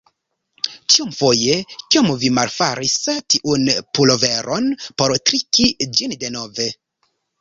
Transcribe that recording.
Tiomfoje kiom vi malfaris tiun puloveron por triki ĝin denove.